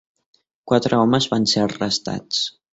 Quatre homes van ser arrestats.